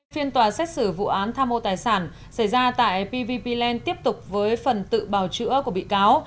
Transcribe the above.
phiên tòa xét xử vụ án tham mô tài sản xảy ra tại pvp lan tiếp tục với phần tự bào chữa của bị cáo